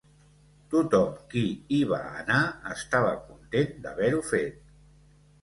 Tothom qui hi va anar estava content d'haver-ho fet.